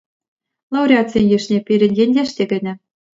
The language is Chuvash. Лауреатсен йышне пирӗн ентеш те кӗнӗ.